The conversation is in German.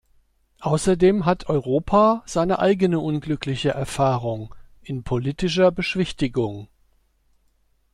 Außerdem hat Europa seine eigene unglückliche Erfahrung in politischer Beschwichtigung.